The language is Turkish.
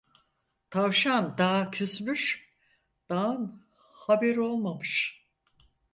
Tavşan dağa küsmüş, dağın haberi olmamış.